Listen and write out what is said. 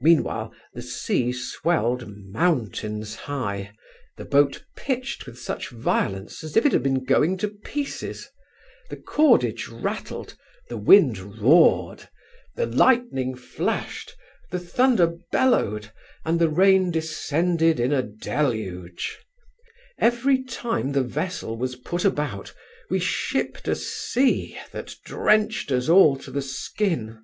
Meanwhile the sea swelled mountains high, the boat pitched with such violence, as if it had been going to pieces; the cordage rattled, the wind roared; the lightning flashed, the thunder bellowed, and the rain descended in a deluge Every time the vessel was put about, we ship'd a sea that drenched us all to the skin.